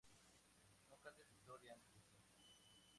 No cantes victoria antes de tiempo